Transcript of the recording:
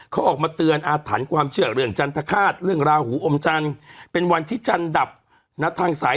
เขาออกมาเตือนอาถรรค์ความเชื่อเรื่องจันทร์ท้าฆาต